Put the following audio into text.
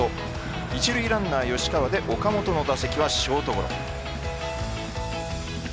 一塁ランナー吉川で岡本の打席はショートゴロ。